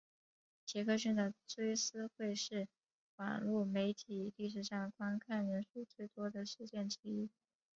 杰克逊的追思会是网路媒体历史上观看人数最多的事件之一。